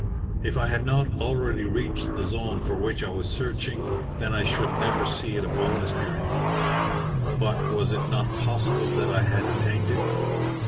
If I had not already reached the zone for which I was searching then I should never see it upon this journey. But was it not possible that I had attained it?